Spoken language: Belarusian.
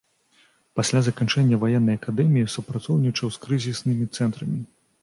Пасля заканчэння ваеннай акадэміі супрацоўнічаў з крызіснымі цэнтрамі.